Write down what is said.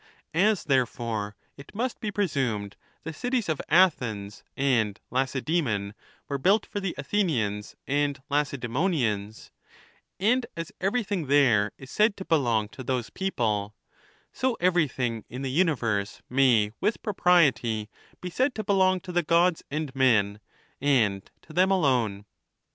As, therefore, it must be presumed the cities of Athens and Laceds3mon were built for the Athenians and Lacedsemo nians, and as everything there is said to belong to those people, so everything in the universe may with propriety be said to belong to the Gods and men, and to them alone.